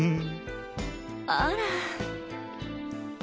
あら。